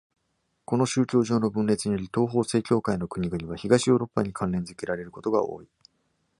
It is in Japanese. この宗教上の分裂により、東方正教会の国々は東ヨーロッパに関連付けられることが多い。